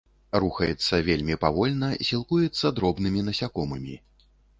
Рухаецца вельмі павольна, сілкуецца дробнымі насякомымі.